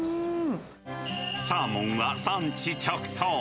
サーモンは産地直送。